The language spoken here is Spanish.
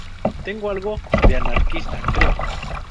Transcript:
Tengo algo de anarquista, creo.